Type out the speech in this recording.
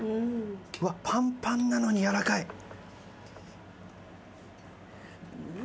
パンパンなのにやわらかい。